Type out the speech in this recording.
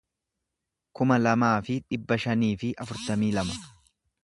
kuma lamaa fi dhibba shanii fi afurtamii lama